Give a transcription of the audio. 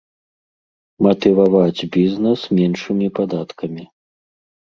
Матываваць бізнэс меншымі падаткамі.